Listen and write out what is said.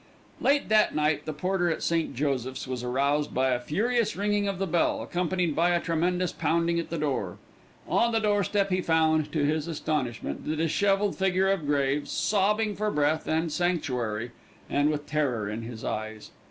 Late that night the porter at St. Joseph's was aroused by a furious ringing of the bell, accompanied by a tremendous pounding at the door. On the doorstep he found, to his astonishment, the dishevelled figure of Graves, sobbing for breath and sanctuary, and with terror in his eyes.